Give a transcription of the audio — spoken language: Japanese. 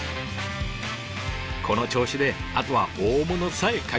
この調子であとは大物さえかかれば。